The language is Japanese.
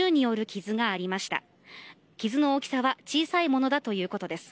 傷の大きさは小さいものだということです。